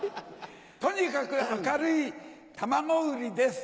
とにかく明るい卵売りです。